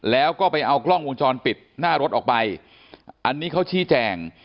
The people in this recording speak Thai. แล้วก็ไปเอากล้องวงจรปิดหน้ารถออกไปอันนี้เขาชี้แจง